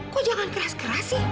kok jangan keras keras sih